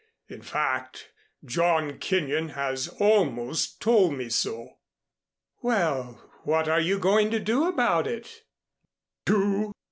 In fact, John Kenyon has almost told me so." "Well, what are you going to do about it?" "Do?